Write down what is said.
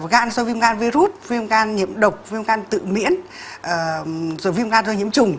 gan do viêm gan virus viêm gan nhiễm độc viêm gan tự miễn viêm gan do nhiễm trùng